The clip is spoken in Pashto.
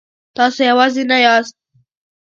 تاسو یوازې نه یاست.